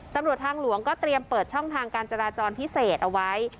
ตำรวจทางหลวงก็เตรียมเปิดช่องทางการจราจรพิเศษเอาไว้